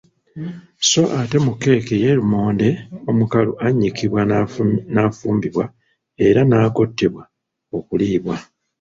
Sso ate mukeke ye lumonde omukalu annyikibwa n’afumbibwa era n’agottebwa okuliibwa.